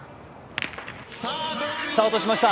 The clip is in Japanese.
スタートしました。